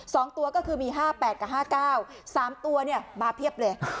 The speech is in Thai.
สองตัวก็คือมีห้าแปดกับห้าเก้าสามตัวเนี่ยมาเพียบเลย